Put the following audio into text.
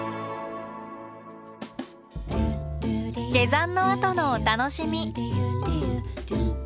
下山のあとのお楽しみ。